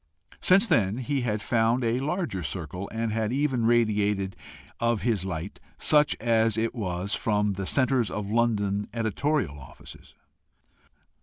Since then he had found a larger circle, and had even radiated of his light, such, as it was, from the centres of London editorial offices.